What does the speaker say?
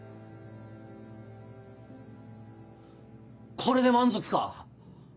これで満足か？